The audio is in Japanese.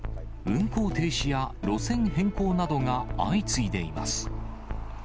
運行停止や路線変更などが相次いでいます。